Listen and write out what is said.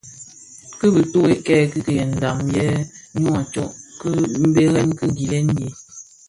Ki bitughe kè kikilèn ndhaň yè ňu a tsok kibèrèn ki gilèn yin,